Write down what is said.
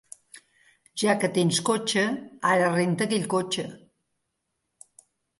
Ja que tens cotxe, ara renta aquell cotxe.